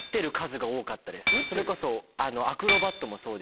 それこそ。